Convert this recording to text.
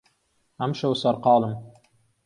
ئەمشەو سەرقاڵم.